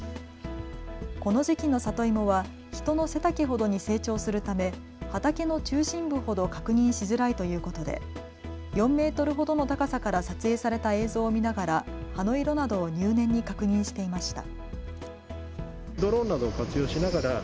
この時期の里芋は人の背丈ほどに成長するため畑の中心部ほど確認しづらいということで４メートルほどの高さから撮影された映像を見ながら葉の色などを入念に確認していました。